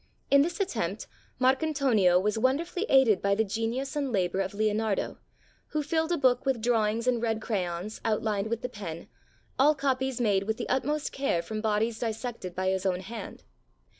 In this at tempt Marcantonio was wonderfully aided by the genius and labor of Leonardo, who filled a book with drawings in red crayons, outlined with the pen, all copies made 89 ITALY with the utmost care from bodies dissected by his own hand.